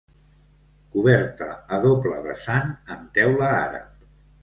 Coberta a doble vessant en teula àrab.